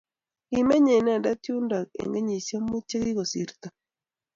Kimenyei inendet yundo eng' kenyishek muut chekikosirto